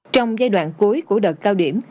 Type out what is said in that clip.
trong giai đoạn cuối của đợt cao điểm